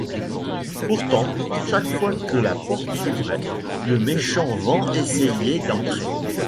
Pourtant, chaque fois que la porte s’ouvrait, le méchant vent essayait d’entrer.